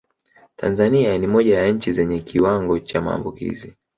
Tanzania ni moja ya nchi zenye kiwango cha maambukizi